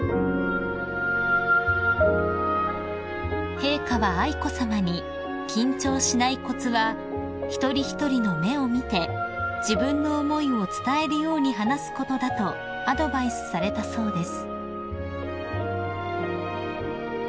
［陛下は愛子さまに緊張しないコツは一人一人の目を見て自分の思いを伝えるように話すことだとアドバイスされたそうです］